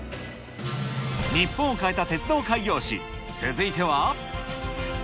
日本を変えた鉄道開業史、続いては。